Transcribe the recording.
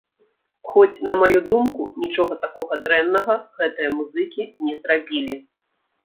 Хоць, на маю думку, нічога такога дрэннага гэтыя музыкі не зрабілі!